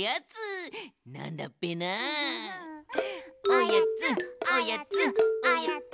おやつおやつおやつ。